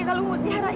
kalau mau diharapkan